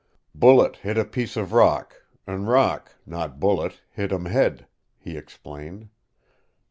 "Bullet hit a piece of rock, an' rock, not bullet, hit um head," he explained.